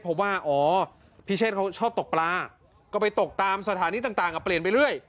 เพราะว่าอ๋อพิเชษเขาชอบตกปลาก็ไปตกตามสถานีต่างเปลี่ยนไปเรื่อย